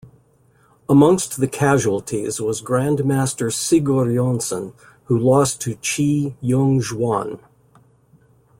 Amongst the casualties was Grandmaster Sigurjonsson who lost to Qi Jung Xuan.